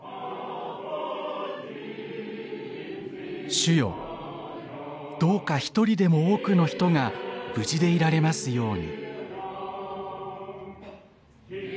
「主よ、どうか一人でも多くの人が無事でいられますように」。